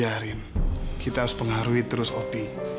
tapi arin kita harus pengaruhi terus opi